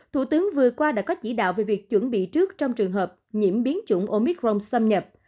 thủ tướng vừa qua đã có chỉ đạo về việc chuẩn bị trước trong trường hợp nhiễm biến chủng omicron xâm nhập